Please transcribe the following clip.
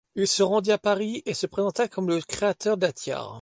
Il se rendit à Paris et se présenta comme le créateur de la tiare.